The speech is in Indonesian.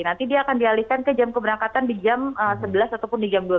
nanti dia akan dialihkan ke jam keberangkatan di jam sebelas ataupun di jam dua belas